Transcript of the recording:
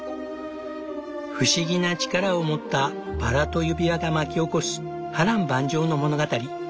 不思議な力を持ったバラと指輪が巻き起こす波乱万丈の物語。